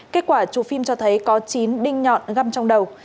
kết quả chụp phim cho thấy có chín đinh nhọn găm trong đầu